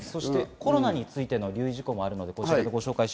コロナについての留意事項もあります。